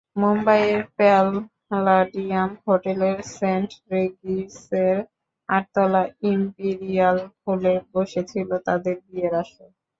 মুম্বাইয়ে প্যালাডিয়াম হোটেলের সেন্ট রেগিসের আটতলার ইমপিরিয়াল হলে বসেছিল তাঁদের বিয়ের আসর।